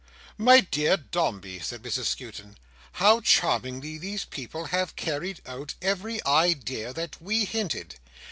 "My dear Dombey," said Mrs Skewton, "how charmingly these people have carried out every idea that we hinted.